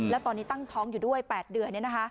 แล้วตอนนี้ตั้งท้องอยู่ด้วย๘เดือน